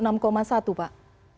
baik terima kasih pak